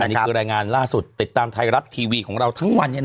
นี่คือรายงานล่าสุดติดตามไทยรัฐทีวีของเราทั้งวัน